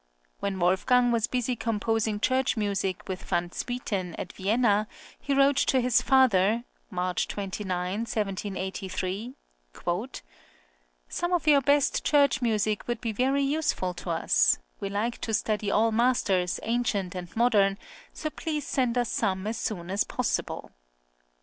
When Wolfgang was busy composing church music with Van Swieten at Vienna, he wrote to his father (March 29, 1783): "Some of your best church music would be very useful to us; we like to study all masters, ancient and modern, so please send us some as soon as possible."